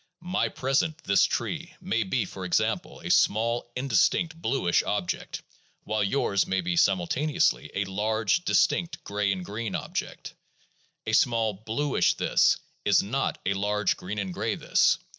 My present "this tree" may be, for example, a small, indistinct bluish object, while yours may be simultaneously a large, distinct gray and green object. A small bluish "this" is not a large green and gray "this."